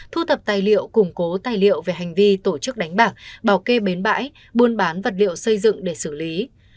thu thập tài liệu củng cố tài liệu về hành vi tổ chức đánh bạc bảo kê bến bãi buôn bán vật liệu xây dựng để xử lý